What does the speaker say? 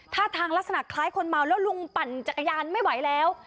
ท่าทางลักษณะคล้ายคนเมาแล้วลุงปั่นจักรยานไม่ไหวแล้ว